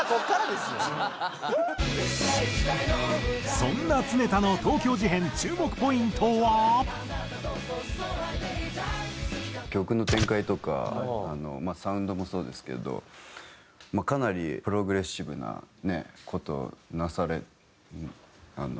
そんな常田の「あなたと相思相愛で居たい」曲の展開とかあのまあサウンドもそうですけどかなりプログレッシブな事をなされ。